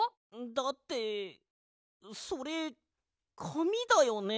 だってそれかみだよね？